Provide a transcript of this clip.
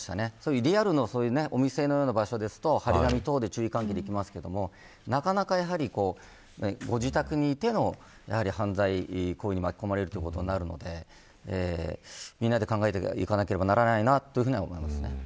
リアルのお店のような場所だと貼り紙等で注意喚起できますけどご自宅に居ての犯罪行為に巻き込まれることになるのでみんなで考えていかなければならないなと思います。